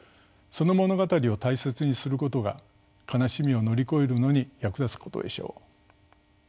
その物語を大切にすることが悲しみを乗り越えるのに役立つことでしょう。